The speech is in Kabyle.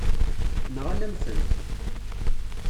Nɣan-am-tent.